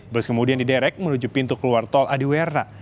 bus kemudian diderek menuju pintu keluar tol adiwerna